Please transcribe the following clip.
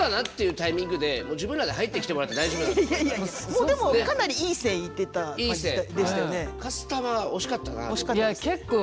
もうでもかなりいい線いってた感じでしたよね。